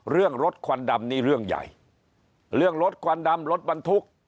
เรื่องรถควันดำนี่เรื่องใหญ่เรื่องรถควันดำรถบรรทุก